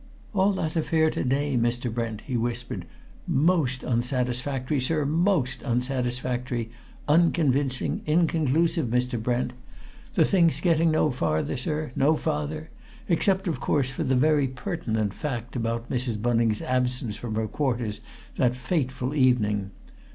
"All that affair to day, Mr. Brent," he whispered, "most unsatisfactory, sir, most unsatisfactory unconvincing, inconclusive, Mr. Brent! The thing's getting no farther, sir, no farther, except, of course, for the very pertinent fact about Mrs. Bunning's absence from her quarters that fateful evening.